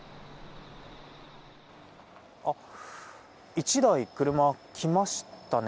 １台、車が来ましたね。